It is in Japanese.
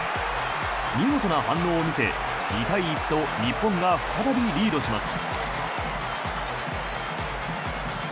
見事な反応を見せ、２対１と日本が再びリードします。